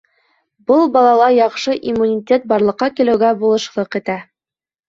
Был балала яҡшы иммунитет барлыҡҡа килеүгә булышлыҡ итә.